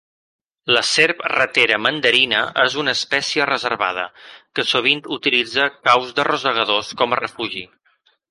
La serp ratera mandarina és una espècie reservada, que sovint utilitza caus de rosegadors com a refugi.